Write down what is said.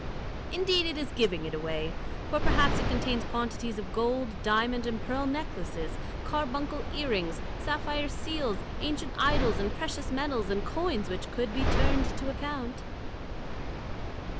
Indeed, it is giving it away; for perhaps it contains quantities of gold, diamond, and pearl necklaces, carbuncle earrings, sapphire seals, ancient idols in precious metals, and coins which could be turned to account."